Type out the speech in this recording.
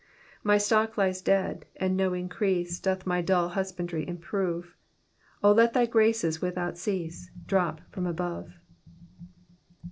My stock lies dead and no increase Doth my dull husbandry improve ; O let thy graces without cease Drop from above.'